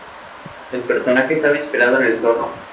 El personaje estaba inspirado en El Zorro.